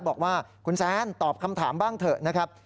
บอกว่าคุณแซนตอบคำถามบ้างเถอะนะครับ